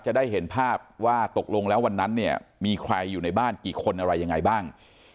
จะได้เห็นภาพว่าตกลงแล้ววันนั้นเนี่ยมีใครอยู่ในบ้านกี่คนอะไรยังไงบ้าง